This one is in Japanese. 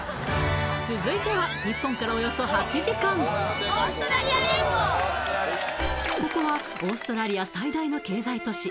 続いては日本からおよそ８時間ここはオーストラリア最大の経済都市